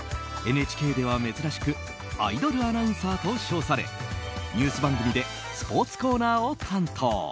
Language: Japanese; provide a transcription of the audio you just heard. ＮＨＫでは珍しくアイドルアナウンサーと称されニュース番組でスポーツコーナーを担当。